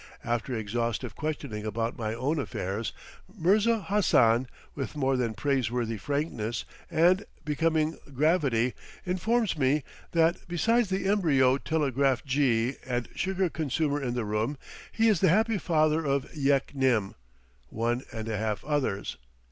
After exhaustive questioning about my own affairs, Mirza Hassan, with more than praiseworthy frankness and becoming gravity, informs me that, besides the embryo telegraphjee and sugar consumer in the room, he is the happy father of "yek nim" (one and a half others).